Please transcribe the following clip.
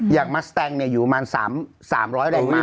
อย่างมัสแตงเนี่ยอยู่ประมาณ๓๐๐แรงม้า